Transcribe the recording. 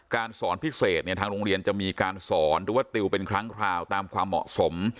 สอนพิเศษเนี่ยทางโรงเรียนจะมีการสอนหรือว่าติวเป็นครั้งคราวตามความเหมาะสม